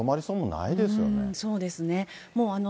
そうですね。